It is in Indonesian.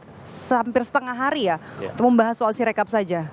hampir setengah hari ya untuk membahas soal sirekap saja